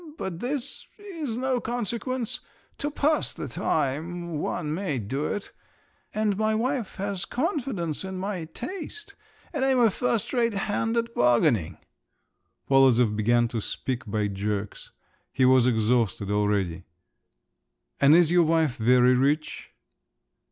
But this … is no consequence. To pass the time—one may do it. And my wife has confidence in my taste. And I'm a first rate hand at bargaining." Polozov began to speak by jerks; he was exhausted already. "And is your wife very rich?"